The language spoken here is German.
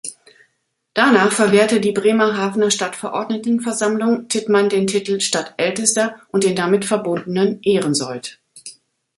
Danach verwehrte die Bremerhavener Stadtverordnetenversammlung Tittmann den Titel "Stadtältester" und den damit verbundenen „Ehrensold“.